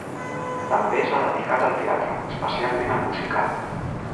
També s'ha dedicat al teatre, especialment al musical.